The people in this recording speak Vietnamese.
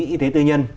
y tế tư nhân